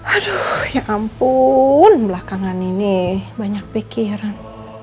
aduh ya ampun belakangan ini banyak pikiran